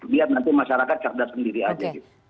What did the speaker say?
biar nanti masyarakat cakdar sendiri aja